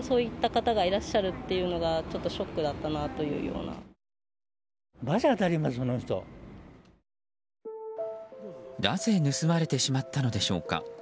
なぜ盗まれてしまったのでしょうか。